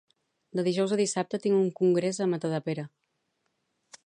De dijous a dissabte tinc un congrés a Matadepera.